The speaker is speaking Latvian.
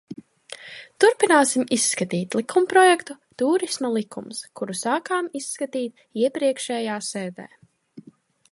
"Turpināsim izskatīt likumprojektu "Tūrisma likums", kuru sākām izskatīt iepriekšējā sēdē."